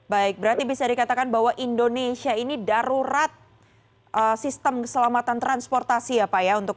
baik berarti bisa dikatakan bahwa indonesia ini darurat sistem keselamatan transportasi ya pak ya